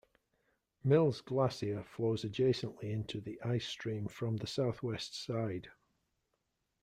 Mills Glacier flows adjacently into the ice stream from the southwest side.